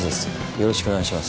よろしくお願いします。